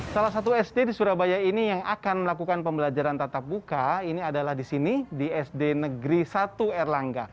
salah satu sd di surabaya ini yang akan melakukan pembelajaran tatap muka ini adalah di sini di sd negeri satu erlangga